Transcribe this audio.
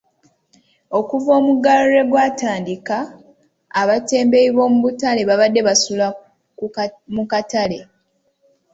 Okuva omuggalo lwe gwatandika, abatembeeyi b'omu katale babadde basula mu katale.